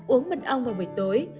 hai uống mật ong vào buổi tối